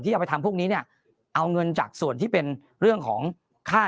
เอาไปทำพวกนี้เนี่ยเอาเงินจากส่วนที่เป็นเรื่องของค่า